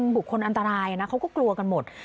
บุคคลอันตรายนะเขาก็กลัวกันหมด